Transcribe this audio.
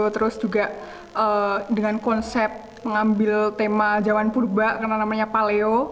terus juga dengan konsep mengambil tema jalan purba karena namanya paleo